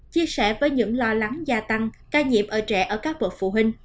chia sẻ với những lo lắng gia tăng ca nhiễm ở trẻ ở các bậc phụ huynh